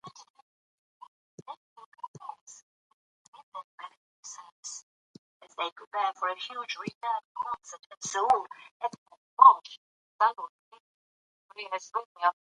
ویټامین ډي د خېټې غوړ کموي.